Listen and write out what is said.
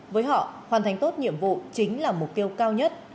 với họ hoàn thành tốt nhiệm vụ chính là mục tiêu cao nhất